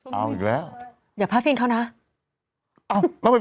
เป็นการกระตุ้นการไหลเวียนของเลือด